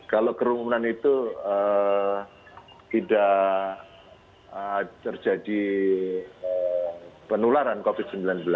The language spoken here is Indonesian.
kalau kerumunan itu tidak terjadi penularan covid sembilan belas